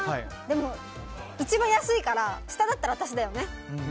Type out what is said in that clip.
でも、一番安いから下だったら私だよね。